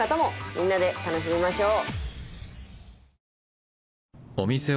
みんなで楽しみましょう。